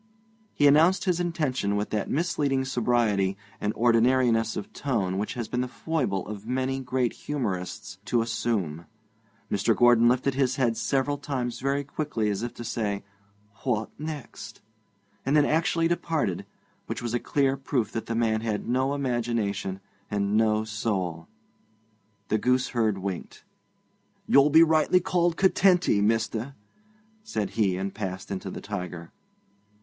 He announced his intention with that misleading sobriety and ordinariness of tone which it has been the foible of many great humorists to assume. Mr. Gordon lifted his head several times very quickly, as if to say, 'What next?' and then actually departed, which was a clear proof that the man had no imagination and no soul. The gooseherd winked. 'You be rightly called "Curtenty," mester,' said he, and passed into the Tiger.